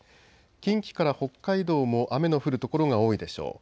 近畿から北海道も雨の降る所が多いでしょう。